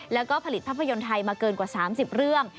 แล้วก็ผลิตภาพยนตร์ไทยมาเกินกว่า๓๐เรื่อง